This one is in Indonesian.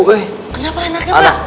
kenapa anaknya pak